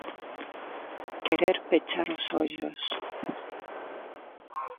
Querer pechar os ollos.